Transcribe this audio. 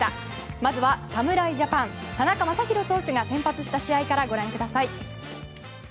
まずは侍ジャパンの田中将大投手が先発した試合からご覧ください。